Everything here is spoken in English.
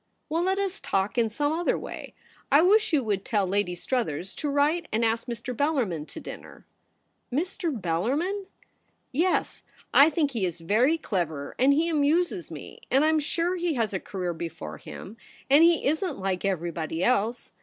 * Well, let us talk in some other way. I wish you would tell Lady Struthers to write and ask Mr. Bellarmin to dinner.' ' Mr. Bellarmin !'' Yes ; I think he is very clever, and he amuses me ; and I'm sure he has a career before him, and he isn't like everybody else.